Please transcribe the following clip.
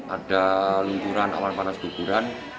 ada lingkuran awal panas guguran